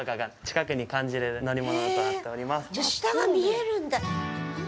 下が見えるんだ。